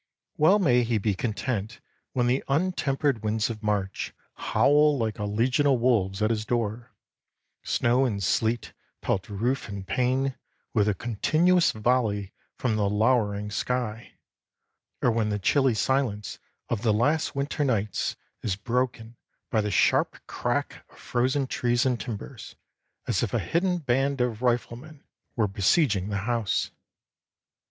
Well may he be content when the untempered winds of March howl like a legion of wolves at his door, snow and sleet pelt roof and pane with a continuous volley from the lowering sky, or when the chilly silence of the last winter nights is broken by the sharp crack of frozen trees and timbers, as if a hidden band of riflemen were besieging the house.